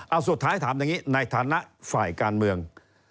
เอาสุดท้ายถามอย่างนี้ในฐานะฝ่ายการเมือง